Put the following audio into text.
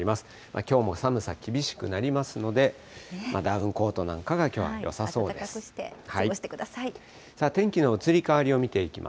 きょうも寒さ厳しくなりますので、ダウンコートなんかがきょうはよあったかくして過ごしてくだ